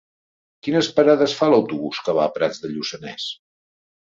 Quines parades fa l'autobús que va a Prats de Lluçanès?